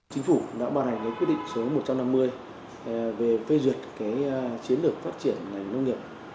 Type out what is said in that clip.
chính phủ đã ban hành quyết định số một trăm năm mươi về phê duyệt chiến lược phát triển ngành nông nghiệp